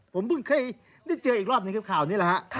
ผมเพิ่งเคยได้เจออีกรอบหนึ่งคือข่าวนี้แหละฮะ